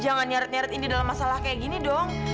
nyaret nyaret indi dalam masalah kayak gini dong